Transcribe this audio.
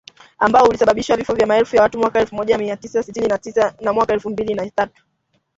Ambao ulisababisha vifo vya maelfu ya watu mwaka elfu moja mia tisa tisini na tisa na mwaka elfu mbili na tatu.